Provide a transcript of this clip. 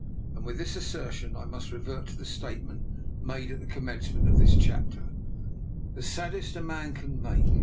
And with this assertion I must re vert to the statement made at the commence ment of this chapter — the saddest a man can make.